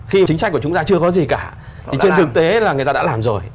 khi chính sách của chúng ta chưa có gì cả thì trên thực tế là người ta đã làm rồi